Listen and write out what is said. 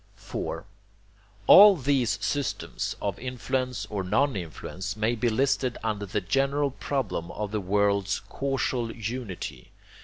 4. All these systems of influence or non influence may be listed under the general problem of the world's CAUSAL UNITY.